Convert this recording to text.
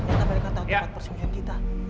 kita balik ke tempat persungsian kita